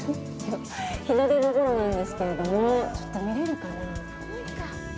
日の出のころなんですけどもちょっと見れるかな。